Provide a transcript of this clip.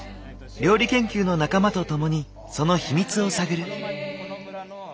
料理研究の仲間と共にその秘密を探る。